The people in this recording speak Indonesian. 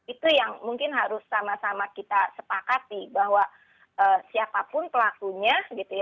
itu yang mungkin harus sama sama kita sepakati bahwa siapapun pelakunya